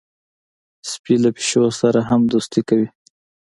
سپي له پیشو سره هم دوستي کوي.